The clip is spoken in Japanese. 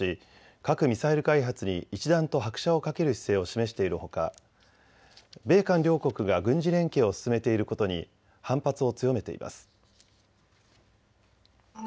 核・ミサイル開発に一段と拍車をかける姿勢を示しているほか、米韓両国が軍事連携を進めていることに反発を強めています。